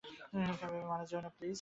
এভাবে মারা যেওনা, প্লিজ?